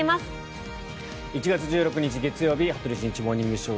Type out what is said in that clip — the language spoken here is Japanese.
１月１６日、月曜日「羽鳥慎一モーニングショー」。